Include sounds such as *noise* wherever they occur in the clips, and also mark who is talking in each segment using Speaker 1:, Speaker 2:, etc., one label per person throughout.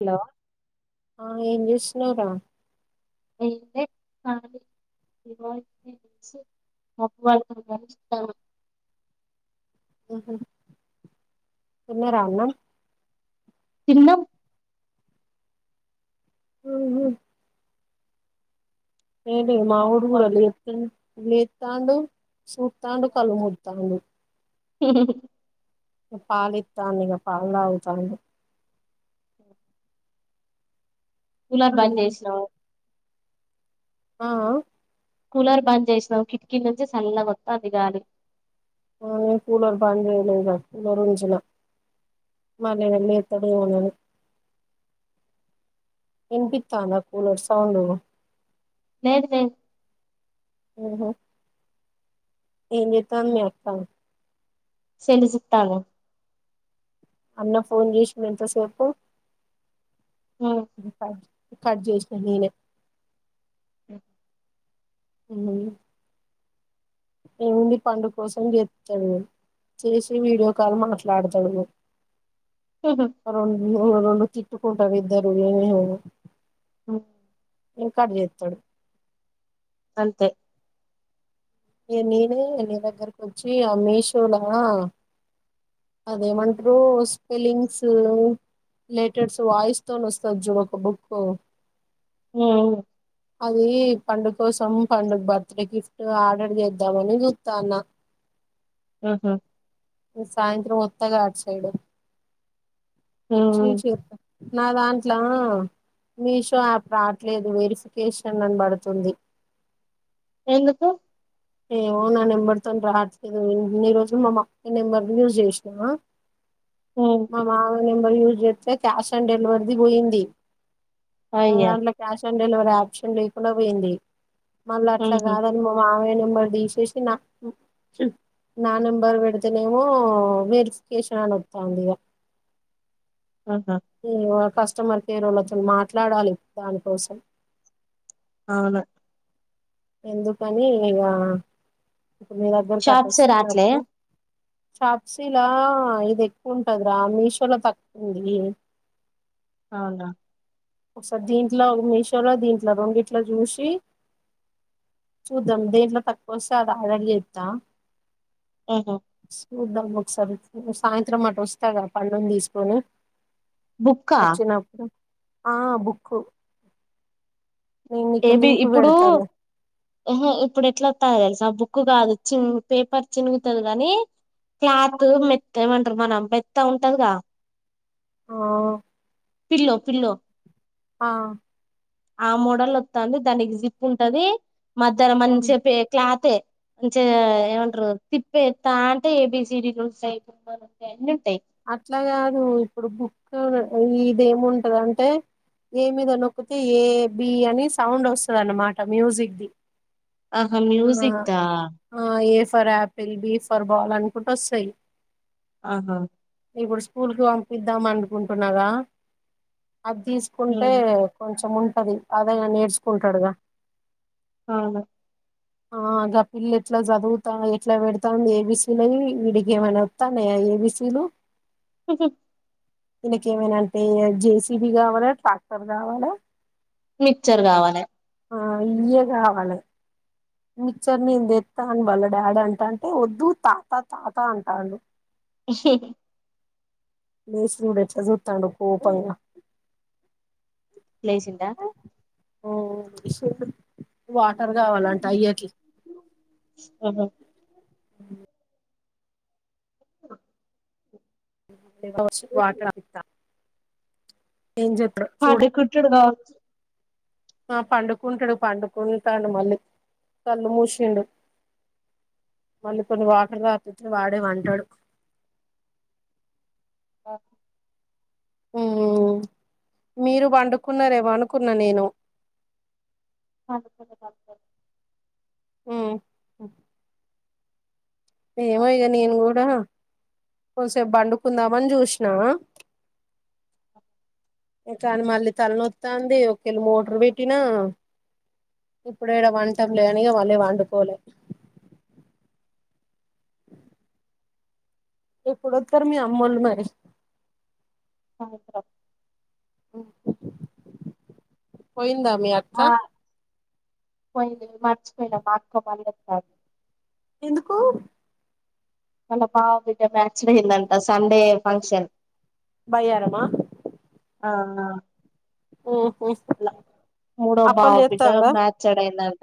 Speaker 1: Hello
Speaker 2: ఆ ఏం చేస్తున్నావ్ రా
Speaker 1: ఎ ఏ ఏ వాయు గాలులు
Speaker 2: ఆహ తిన్న రా అన్నం
Speaker 1: తిన్నం
Speaker 2: ఆ ఏంది ఇగ మా
Speaker 1: మబ్బు
Speaker 2: వోడు కూడా
Speaker 1: పడు
Speaker 2: లేతడు లేతండు సుతాండు కలుమూతాండు పాలితాన ఇగ పాలు తాగుతాండు
Speaker 1: కూలర్
Speaker 2: ఉమ్,
Speaker 1: బంజేసినవు
Speaker 2: ఆ
Speaker 1: కూలర్ బంజేసినవు కిటికీ నుంచి చల్లగా వతండి గాలి
Speaker 2: నేను కూలర్ బంజేయలే గా *unintelligible* మల్లేడ లేతడో అని ఇనిపితంద కూలర్ సౌండు
Speaker 1: లేదు లేదు
Speaker 2: ఓహో ఏం చెతాను మప్ప
Speaker 1: శెనిజప్తాను
Speaker 2: అన్న ఫోన్ చేష్ మంత సకు
Speaker 1: హ్మ్
Speaker 2: కర్జ అను అ ఏమింది పండు కోసం గతాడు చేసి వీడియో కాల్ మాట్లాడతాడు
Speaker 1: హహ
Speaker 2: న రండు తిట్టుకుంటారుద్దరు ఏనురు
Speaker 1: అ
Speaker 2: ఏ కజతుడు
Speaker 1: అంతే
Speaker 2: నేనే నీ దగ్గరకు వచ్చి ఆ మీషోలా అదేమంటారు స్పెలింగ్స్ టెర్స్ వాయిస్ తోని వస్తుంది చూడు ఒక బుక్
Speaker 1: హ
Speaker 2: అది పండుగ కోసం పండుగ బర్త్డే గిఫ్ట్ ఆర్డర్ చేద్దామని చూస్తా అన్న
Speaker 1: ఆహ
Speaker 2: రోతగాట్ సైడ్ చ్చ
Speaker 1: హ్మ్
Speaker 2: చి నాదాంట్లా ఆ మీషో యాప్ రావట్లేదు వెరిఫికేషన్ అని పడుతుంది
Speaker 1: ఎందుకు
Speaker 2: ఏమో నా నెంబర్తో రాట్లేదు నీ రోజు మా అక్కయి నెంబర్ యూజ్ చేసినవా
Speaker 1: హ్మ్
Speaker 2: మావ నెబర్ యజ అతే క్యాష్ ఆన్ డెలివరీది పోయింది
Speaker 1: అయ్యో
Speaker 2: అాంట్లో క్యాష్ ఆన్ డెలివీ ఆప్షన్ కూడా పోయింది మళ్ళీ అట్లా
Speaker 1: హుహు
Speaker 2: కాదని మా మావేన సి నా నా నెంబర్ పెడితేనేమో వెరిఫికేషన్ అనిస్తాంది ఇక
Speaker 1: ఆహా
Speaker 2: కష్టమా నేను వాళ్ళతో మాట్లాడాలి దానికోసం
Speaker 1: అవును
Speaker 2: ఎందుకని ఇక ఇప్పుడు మీ దగ్గర
Speaker 1: షార్ట్సే రాట్లే
Speaker 2: కట్టొస్తున్నప్పుడు షాప్సీలా ఇది ఎక్కువ ఉంటందిరా మీషోలో తక్కువంది
Speaker 1: అవునా
Speaker 2: ఒకసారి దీంట్లో మీషోలో దీంట్లో రెండిట్లో చూసి చూద్దాం దీంట్లో తక్కువ వస్తే అది ఆడర్ చేస్తాం
Speaker 1: ఓహో
Speaker 2: చూద్దాం ఒకసారి సాయంత్రం అటు వస్తా క పండును తీసుకొని
Speaker 1: బుక్కా
Speaker 2: వచ్చిన అప్పుడు ఆ బుక్ నేను నీకు
Speaker 1: ఏది
Speaker 2: లింక్
Speaker 1: ఇప్పుడు
Speaker 2: పెడతాలే
Speaker 1: ఊహు ఇప్పుడు ఎట్లాస్త తెలిసి బుక్ కాదు చి పేపర్ చినుగుతుంది కానీ క్లాత్ మెత్తగ ఉంటది మనం మెత్త ఉంటదిగా
Speaker 2: ఆ
Speaker 1: పిల్లో పిల్లో
Speaker 2: ఆ
Speaker 1: ఆ మోడల్ లో వస్తుాంది దానికి జిప్ ఉంటది మధర
Speaker 2: ఆ.
Speaker 1: మంచి చె ప క్లాతే మంచి ఏమంటారు తిప్పే ఎత్తా అంటే ఏబిసిడలు ఉంటాయిలు ఉంటాయి అన్ని ఉంటాయి
Speaker 2: అట్లా కాదు ఇప్పుడు బుక్ ఇది ఏముంటదంటే ఏమైనా నొక్కితే ఏ బి అని సౌండ్ వస్తుంది అన్నమాట మ్యూజిక్దిి
Speaker 1: ఆహా మ్యూజిక్ ఆ
Speaker 2: A for apple B for ball అనుకుంటూ వస్తాయి
Speaker 1: ఆహా
Speaker 2: ఇప్పుడు స్కూల్ కి పంపిద్దాం అనుకుంటున్నార అది తీసుకుంటే
Speaker 1: ఉమ్
Speaker 2: కొంచెం కం ఉంటది అదే నేర్చుకుంటాడుగా
Speaker 1: అవును
Speaker 2: ఆగా పిల్లు ఎట్లా చదువుతా ఎట్లా పెడతా ఏబీసీల విడిగి ఏమైనా వస్తా ఏబీసీలు
Speaker 1: అే
Speaker 2: వీనికి ఏమైనాంటే జేసీబి కావాలా ట్రాక్టర్ కావాలా
Speaker 1: మిక్చర్ కావాలి
Speaker 2: ఆ ఇ్యే కావాలి మిక్చర్ నేను తెతాను వాళ్ళ డాడీ అంట అంటే వద్దు తాత తాత అంటాను
Speaker 1: ఎహి
Speaker 2: ఎట్లా చుటండో కోపంగా
Speaker 1: ప్లేసిండ
Speaker 2: ఓ ఇష వా ర్ కావాలంటే అయ్యాకి
Speaker 1: ఆహా
Speaker 2: *inaudible*
Speaker 1: హడే కుట్టడుగా
Speaker 2: ఆ పండుకుంటాడు పండుకుంటాడు మళ్ళీ కళ్ళు మూసిండు మళ్ళీ కొన్ని వాటలు రాతుచ్చ వాడే పంటడు
Speaker 1: ఆ
Speaker 2: మీరు పండుకున్నారేమో అనుకున్నా నేను
Speaker 1: అక క్
Speaker 2: ఆ ఏమో ఇగ నెన్ కూడా కొంచసేపు బండుకుందామని చూసినకానీ మళ్ళీ తలనొత్తాంది ఒకేళ మోటర్ పెట్టినా ఇప్పుడు ఎడ పంటము లే లేదు అండి పండుకోలే. ఎప్పుడు వత్తరు మీ అమ్మొల్లు మరి.
Speaker 1: సాయంత్రం
Speaker 2: పో పోయిందా మీ అక్క
Speaker 1: పోయిలే మర్చిపోయినా పార్ కోపలి వత్తార్
Speaker 2: ఎందుకు
Speaker 1: వాళ్ళ బావ బిడ్డ మ్యాచ్ అయ్యిందంట స్కూ సండే ఫంక్షన్
Speaker 2: బయ్యారమా
Speaker 1: ఆ
Speaker 2: ఓ
Speaker 1: అలా మూడో బావ బిడ్డ
Speaker 2: చేత్తాందా
Speaker 1: మాచ్డ్ అయ్యిందంట్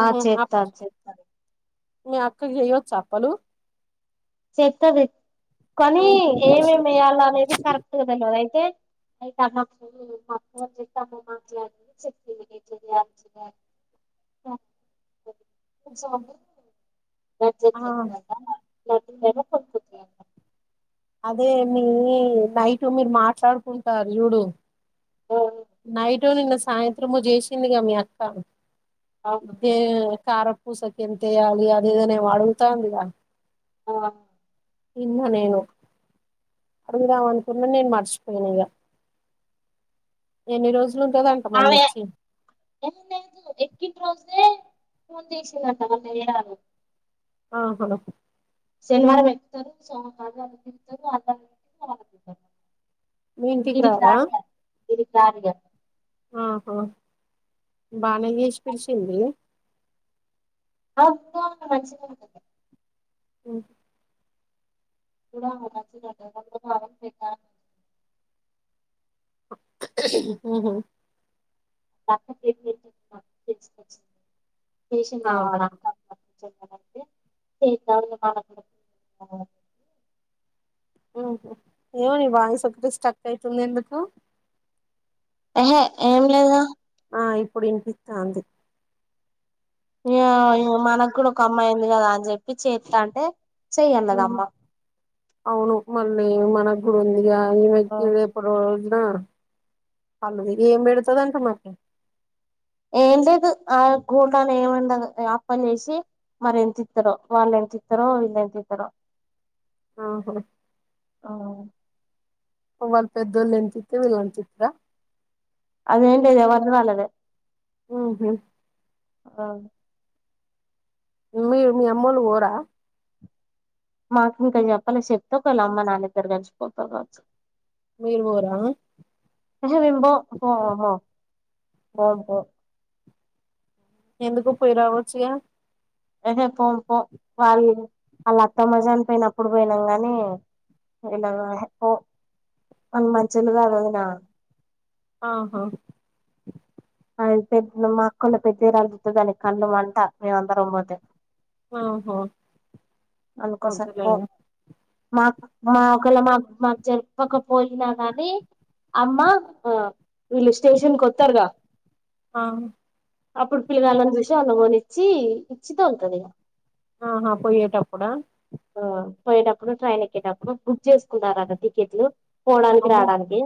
Speaker 1: ఆ చెప్తార్ చెప్తరు
Speaker 2: మీ అక్కకి చెయ్యోచ్చా అప్పలు
Speaker 1: చేతది కానీ
Speaker 2: ఉహు
Speaker 1: ఏమేమి ఏయాలనేది కరెక్ట్గా తెల్వదు అయితే అయితే అమ్మకు ఫోన్ చెయ్యి *inaudible* సో వచ్చే
Speaker 2: ఆ
Speaker 1: చెక్ వల్ల *inaudible*
Speaker 2: అదే మీ నైట్ మీరు మాట్లాడుకుంటారు చూడు నైట్ టు నిన్న సాయంత్రము జేసిందిగా మీ అక్క. ఇదే
Speaker 1: అవును
Speaker 2: కారప్ పూసక్ ఎంతేయాలి అది ఇది అని ఏమో అడుగుతాంది గా
Speaker 1: ఓ ఆ
Speaker 2: ఇన్ను నేను అడుగుదాం అనుకున్నా నేను మర్చిపోయినా ఇగ ఎన్ని రోజ్
Speaker 1: అరవై యే ఫోన్ చేశీరంట అన్న ఏడా అని
Speaker 2: ఆహా
Speaker 1: శనివారం ఎక్కుతారు సోమవారం ఆడ తిరుగుతారు. ఆదివారం ఎక్కుతారు మంగళవారం దిగుతారు
Speaker 2: మీ ఇంటికి రార
Speaker 1: ఈడీకి రారు గా
Speaker 2: ఆహా బానే జేసీ పిలిసింది
Speaker 1: ఆ ఇంట్లోనే ఉంటే మంచిగానే వుంటదిలే
Speaker 2: హ్మ
Speaker 1: *inaudible*
Speaker 2: మ్మ్ హ్మ్
Speaker 1: *inaudible*
Speaker 2: ఆ
Speaker 1: చేసిందా సాల
Speaker 2: ఏమ న వాయిసు ఒకటి స్టక్ అవుతుంది ఎందుకు
Speaker 1: హే ఏం లేదా
Speaker 2: ఆ ఇప్పుడపితంది
Speaker 1: మనకు కూడా ఒక అమ్మాయింది కదా అని చెప్పి చేస్త అంటే
Speaker 2: హ్మ
Speaker 1: చెయ్యన్నదమ్మ
Speaker 2: అవును మళ్ళీ మన ంది ని వకిదప్పుడుంద అలుది ఏం పెడతుందింటమాట
Speaker 1: ఏం లేదు ఆ గోల్డ్ అని ఏమండ అప్పని చేసి మరి ఎంత ఇస్తారో వాళ్ళు ఎంత ఇస్తారో వీళ్ళ ఎంత ఇస్తార
Speaker 2: ఆహా
Speaker 1: ఆ
Speaker 2: వ వాల్ పెద్దల్ ఎంతతివ ఇల్ ఎంతితవ
Speaker 1: ఆది ఏందో ఎవరు రాలేదు
Speaker 2: ఆ హ
Speaker 1: ఆ
Speaker 2: మీ మీ అమ్మలు పోరా
Speaker 1: మాకు ఇంకా చెప్పాల చెప్త ఒకళ్ళ అమ్మ నా దగ్గర కలిసిపోతారు కావచ్చు
Speaker 2: మీరు పోరా
Speaker 1: ప విబ పో పో
Speaker 2: ఎందుకు పోయి రావచ్చగా
Speaker 1: అహే పోం పో వాళ వాళ్ళ అత్తమజాని పోయినప్పుడు పోయినాం కాగాని ఇలా పో మ మంచిలుగాదు వదినా
Speaker 2: ఆహా
Speaker 1: పె మా అక్కన్న పెద్దదిరులుతు దాని కళ్ళం అంట మేమందరం పోతే
Speaker 2: ఓహో
Speaker 1: అనుకోసార్ మాకు మా ఒకళ మా మా చె తప్పకపోయినా కానీ అమ్మ వీళ్ళు స్టేషన్ కు వస్తారుగా
Speaker 2: ఆ
Speaker 1: అప్పుడు పిల్లగాళ్ళని చూసి అళమోని ఇచ్చి ఇచ్చిత ఉంటది ఇక
Speaker 2: ఆహా పోయిటప్పుడా
Speaker 1: ఆ పోయేటప్పుడు ట్రైన్ ఎక్కేటప్పుడు బుక్ చేసుకున్నారుద టికెట్లు పోవడానికి
Speaker 2: అమ్మో
Speaker 1: రావడానికి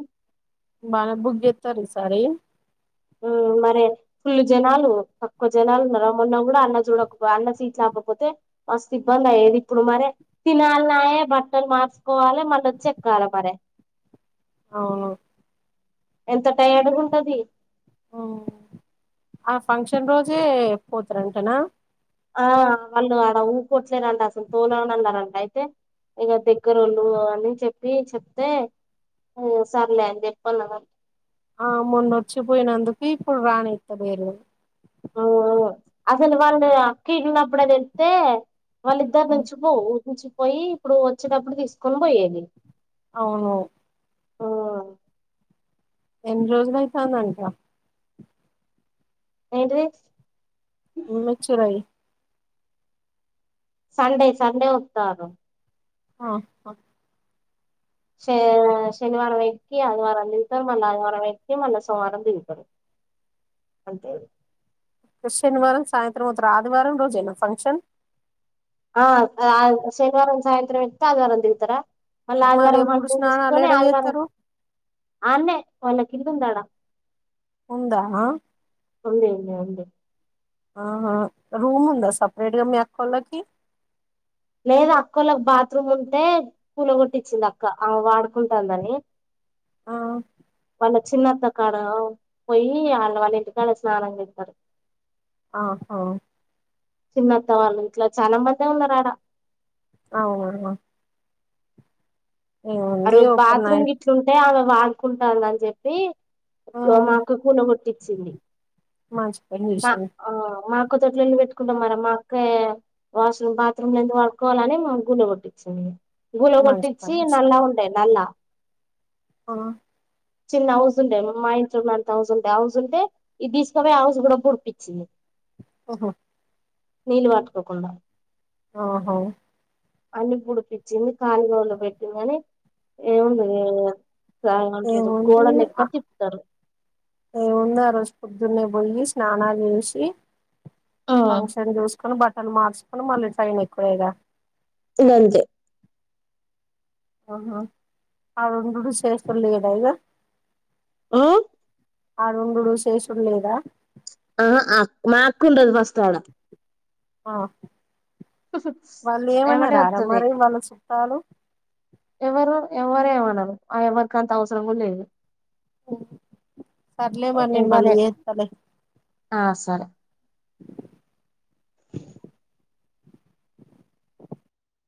Speaker 2: బాళ బుగ ఎత్తార సార
Speaker 1: మరి ఫుల్ జనాలు తక్కువ జనాలు ఉన్నమొన్న కూడా అన్న చూడకపో అన్న చీట్ లేకపోతే మస్తు ఇబ్బంది అయ్యేది ఇప్పుడు మరి తినాలిన్నాయే బట్టలు మార్చుకోవాలి మనచ్చ ఎక్కాల మర
Speaker 2: అవును
Speaker 1: ఎంత టయ అడ ఉంటది
Speaker 2: ఆ ఫంక్షన్ రోజే పోతారంటనా
Speaker 1: ఆ వాళ్ళు ఆడ ఊ కొట్లేదంటడి అసలు పోదాం అన్నారంటడి అయితే ఇక దగ్గర వాళ్ళు అన్నీ చెప్పి చెప్తే సర్లే అని చెప్పతాను
Speaker 2: ఆ మొన్నొచ్చిపోయినందుకు ఇప్పుడు రానిత్తలేేరు
Speaker 1: ఆ అసలు వాళ్ళుది అక్క ఇన్నప్పుడ అని ఎల్తే వాళ్ళిద్దరి నుంచి పో ఊ నుంచి పోయి ఇప్పుడు వచ్చేటప్పుడు తీసుకొని పోయేది
Speaker 2: అవును
Speaker 1: ఓ
Speaker 2: ఎన్ని రోజులైతాన్దంట
Speaker 1: ఎడ్రిక్స్
Speaker 2: యూనిచిర్య్
Speaker 1: సండే సండే వతారు
Speaker 2: ఆ
Speaker 1: శ శనివారం వెక్కి ఆదివారం దిగుతారు మళ్ళా ఆదివారం వెక్కి మళ్ళా సోమవారం దిగుతారు అంతే
Speaker 2: శనివారం సాయంత్రం వత్తారు ఆదివారం రోజేనా ఫంక్షన్
Speaker 1: ఆ ఆ శనివారం సాయంత్రం ఎక్కితే ఆదివారం దిగుతారా మళ్ళీ
Speaker 2: మరి
Speaker 1: ఆదిగారం
Speaker 2: ఎప్పుడు
Speaker 1: మంచిగా
Speaker 2: స్నానాలు
Speaker 1: చూసుకొని
Speaker 2: ఏడ
Speaker 1: ఆదివారం
Speaker 2: చేత్తరు
Speaker 1: ఆడనే వాళ్లకి ఇల్లు ఉంది ఆడ
Speaker 2: ఉందా
Speaker 1: ఉంది ఉంది ఉంది
Speaker 2: ఆహా రూమ్ ఉందా సపరేట్గా మీ అక్కోలకి
Speaker 1: లేదు అక్కోళ్ళకి బాత్రూమ్ ఉంటే పూల కొట్టించింది అక్క ఆ వాడుకుంటుందని
Speaker 2: ఆ
Speaker 1: వాళ్ళ చిన్నత్త కాడ పోయి వాళ్ళ వాళ్ళ ఇంటికాళ్ళ స్నానం చేతారు
Speaker 2: ఆహా
Speaker 1: చిన్నత్త వాళ్ళు ఇంట్లో చాలా మంది ఉన్నారు ఆడ
Speaker 2: అవు
Speaker 1: అ డో
Speaker 2: ఒక
Speaker 1: బాత్రూమ్
Speaker 2: నైట్
Speaker 1: గిట్లుంటే వాడుకుంటుంది అన్ చెప్పి ఒక మాకు కూన కొట్టించింది
Speaker 2: మంచి పని
Speaker 1: మా
Speaker 2: చేసింది
Speaker 1: ఆ మా ఒక్కచోట్లు ఇళ్ళ పెట్టుకుంటాం మనం మా అక్కే వాష్రూమ్ బాత్రూమ్ల ఎందు వాడుకోవాలని మా గుండు కొట్టించడి గుల
Speaker 2: మంచి
Speaker 1: కొట్టించి
Speaker 2: పని
Speaker 1: నల్ల
Speaker 2: చేసింది
Speaker 1: ఉంటాయి నల్ల
Speaker 2: ఆ
Speaker 1: చిన్న హౌస్ ఉండే మ ఇంట్లో ఉన్నంత హౌస్ ఉంటే హౌజస్ ఉంటే ఇది తీసుకవే హౌస్ కూడా కురుప్ ఇచ్చింది
Speaker 2: ఓహో
Speaker 1: నీళ్లు పటుకోకుండా
Speaker 2: ఓహో
Speaker 1: అన్ని పుడిపచ్చింది కానిగోలు పెట్టుకొని ఏముండ సాంటదు గోడ
Speaker 2: ఏముంది
Speaker 1: లెక్క
Speaker 2: ఆ,
Speaker 1: తిప్పుతారు
Speaker 2: ఏముంది ఆ రోజు పొద్దున్నే పోయి స్నానాలు చేసి ఫంక్షన్ చూసుకోని బట్ట తను మార్చుకుని మళ్ళీ ట్రైన్ ఎక్కుడేగా
Speaker 1: *unintelligible*
Speaker 2: ఆహ అ నూడుల్స్ చేసుకోలేదా అయ్యా
Speaker 1: ఉమ్
Speaker 2: ఆ ఉండుడు శేషుడు లేదా
Speaker 1: ఆ ఆ మా అక్క ఉండదు ఫస్ట్ ఆడ
Speaker 2: ఆ వాళ్ళు
Speaker 1: ఎమ్మటే
Speaker 2: ఏమన్నరమ్
Speaker 1: వత్తది
Speaker 2: మరి వాళ్ళు చుట్టాలు
Speaker 1: ఎవరు ఎవరేమన్నారు ఆ ఎవరికి అంత అవసరం కూడా లేదు
Speaker 2: సర్లే మరి మళ్ళ
Speaker 1: ఎవరే
Speaker 2: చేతలే
Speaker 1: ఆ సరే